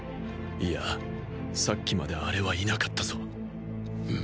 いやさっきまであれは居なかったぞ！